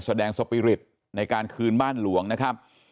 สปีริตในการคืนบ้านหลวงนะครับ